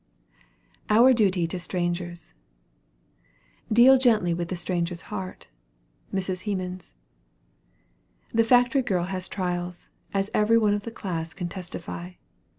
OUR DUTY TO STRANGERS. "Deal gently with the stranger's heart." MRS. HEMANS. The factory girl has trials, as every one of the class can testify.